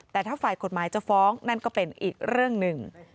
แต่ถ้าฝ่ายกฎหมายจะฟ้องนั่นก็เป็นอีกเรื่องหนึ่ง